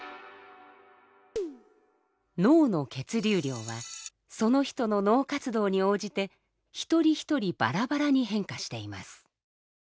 脳の血流量はその人の脳活動に応じて一人一人ばらばらに変化しています。